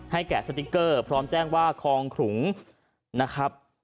แกะสติ๊กเกอร์พร้อมแจ้งว่าคลองขลุงนะครับ